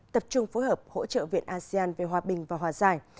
tập trung phối hợp hỗ trợ viện asean về hòa bình và hòa giải